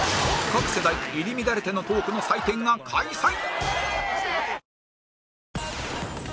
各世代入り乱れてのトークの祭典が開催！